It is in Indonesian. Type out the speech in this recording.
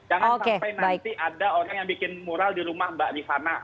jangan sampai nanti ada orang yang bikin moral di rumah mbak rifana